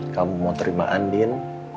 kamu mau terima andin